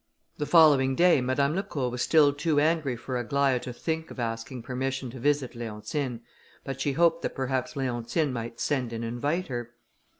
The following day, Madame Lacour was still too angry for Aglaïa to think of asking permission to visit Leontine, but she hoped that perhaps Leontine might send and invite her.